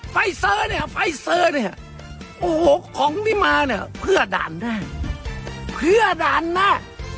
ไฟเซอร์เนี่ยไฟเซอร์เนี่ยโอ้โหของที่มาเนี่ยเพื่อด่านหน้าเพื่อด่านหน้า